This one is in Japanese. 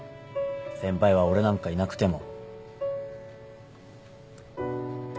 先輩は俺なんかいなくても。